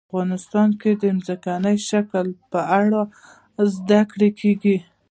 افغانستان کې د ځمکنی شکل په اړه زده کړه کېږي.